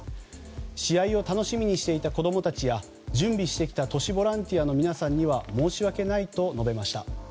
試合を楽しみにしていた子供たちや準備してきた都市ボランティアの皆さんには申し訳ないと述べました。